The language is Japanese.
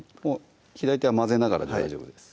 左手は混ぜながらで大丈夫です